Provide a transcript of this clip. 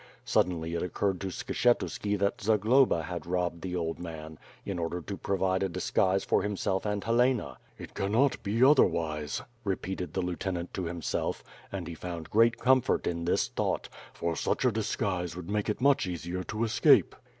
Suddenly, it occurred to Skshetuski that Zagloba had robbed the old man in order to provide a disguise for himself and Helena. "It cannot be otherwise!" repeated the lieutenant to himself, and he found great com fort in this thought; "for such a disguise would make it much easier to escape."